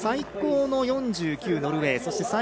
最高の４９、ノルウェー。